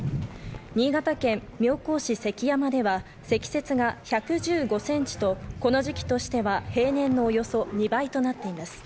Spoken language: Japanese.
新潟県妙高市関山では積雪が１１５センチとこの時期としては平年のおよそ２倍となっています。